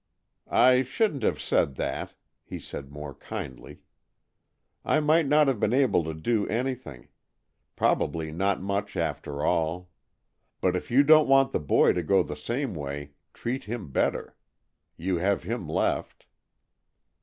"I shouldn't have said that," he said more kindly. "I might not have been able to do anything. Probably not much after all. But if you don't want the boy to go the same way, treat him better. You have him left."